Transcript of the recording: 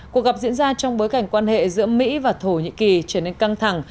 cuộc gặp diễn ra trong bối cảnh quan hệ giữa mỹ và thổ nhĩ kỳ trở nên căng thẳng